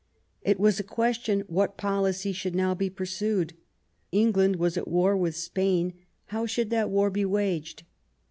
It was a question what policy should now be pursued. England was at war with Spain ; how should that war be waged